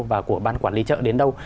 và của bác quản lý chợ đến đâu